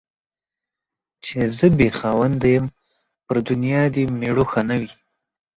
چي زه بې خاونده يم ، پر دنيا دي مړوښه نه وي.